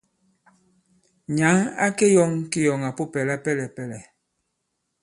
Nyǎŋ a keyɔ̂ŋ kiyɔ̀ŋàpupɛ̀ lapɛlɛ̀pɛ̀lɛ̀.